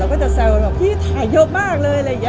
เราก็จะแซวว่าพี่ถ่ายเยอะมากเลย